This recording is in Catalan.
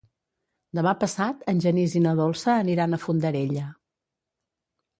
Demà passat en Genís i na Dolça aniran a Fondarella.